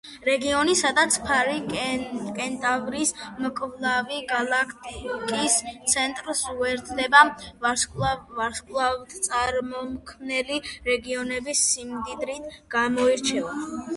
რეგიონი, სადაც ფარი-კენტავრის მკლავი გალაქტიკის ცენტრს უერთდება, ვარსკვლავთწარმომქმნელი რეგიონების სიმდიდრით გამოირჩევა.